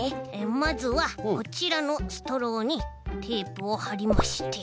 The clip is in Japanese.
まずはこちらのストローにテープをはりまして。